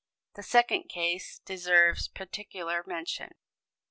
The second case deserves particular mention.